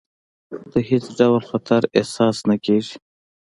د هېڅ ډول خطر احساس نه کېږي.